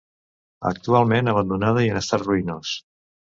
Actualment abandonada i en estat ruïnós.